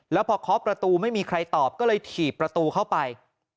แล้วพอเคาะประตูไม่มีใครตอบก็เลยถีบประตูเข้าไป